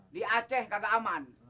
di aceh kagak aman